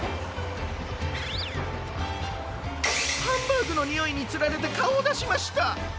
ハンバーグのにおいにつられてかおをだしました！